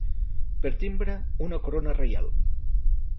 Per timbre, una corona reial.